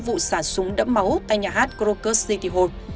vụ xả súng đẫm máu tại nhà hát krokus city hall